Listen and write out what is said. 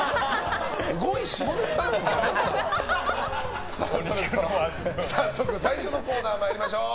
すごい下ネタ。最初のコーナー参りましょう。